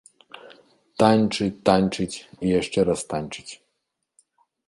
Танчыць, танчыць і яшчэ раз танчыць!